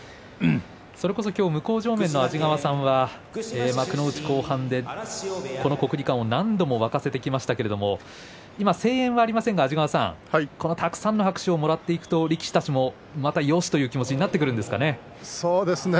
向正面の安治川さんは幕内後半でこの国技館を何度も沸かせてきましたけれど今声援はありませんがたくさんの拍手をもらっていくと力士たちもまた、よしという気持ちになるんですかね。